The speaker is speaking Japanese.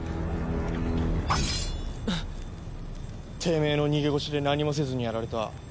てめえの逃げ腰で何もせずにやられた。